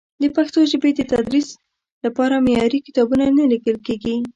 د پښتو ژبې د تدریس لپاره معیاري کتابونه نه لیکل کېږي.